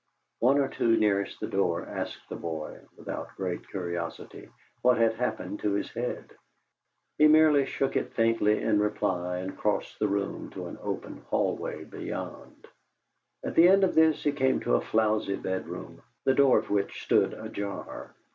One or two nearest the door asked the boy, without great curiosity, what had happened to his head. He merely shook it faintly in reply, and crossed the room to an open hallway beyond. At the end of this he came to a frowzy bedroom, the door of which stood ajar.